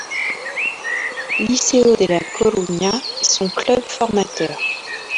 Liceo de La Coruña, son club formateur.